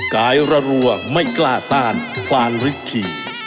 กายระรั่วไม่กล้าต้านพลานฤทธิ